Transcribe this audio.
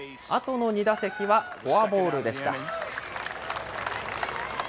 あとの２打席はフォアボールでした。